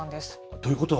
ということは？